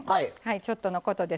ちょっとのことです